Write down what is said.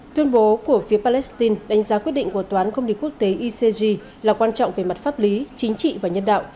tuyên bố của phía palestine đánh giá quyết định của tòa án công lý quốc tế icg là quan trọng về mặt pháp lý chính trị và nhân đạo